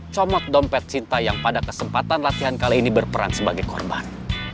comot dompet cinta yang pada kesempatan latihan kali ini berperan sebagai korban